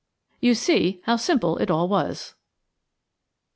You see how simple it all was!